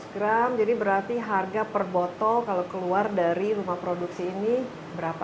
seratus gram jadi berarti harga per botol kalau keluar dari rumah produksi ini berapa